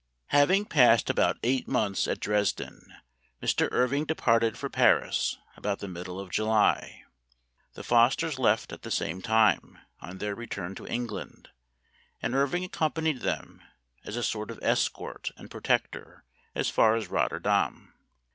HAVING passed about eight months at Dresden, Mr. Irving departed for Paris about the middle of July. The Fosters left at the same time on their return to England, and Irving accompanied them, as a sort of escort and protector, as far as Rotterdam.